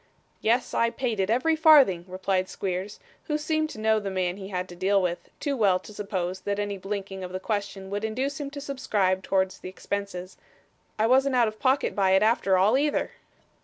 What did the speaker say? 'Yes, I paid it, every farthing,' replied Squeers, who seemed to know the man he had to deal with, too well to suppose that any blinking of the question would induce him to subscribe towards the expenses; 'I wasn't out of pocket by it after all, either.